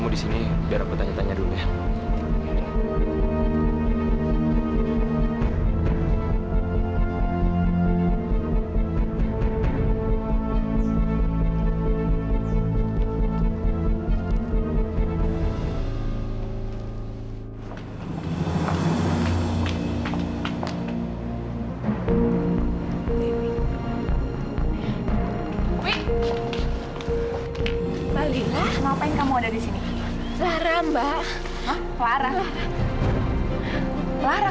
lara kena demam berdarah